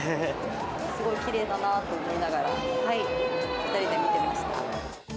すごいきれいだなと思いながら、２人で見てました。